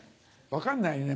分かんないね